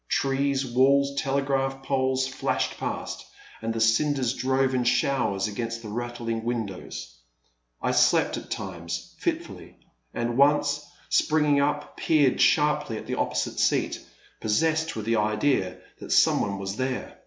Trees, walls, telegraph poles, flashed past, and the cinders drove in showers against the rattling windows. I slept at times, fitfully, and once, springing up, peered sharply at the opposite seat, possessed with the idea that somebody was there.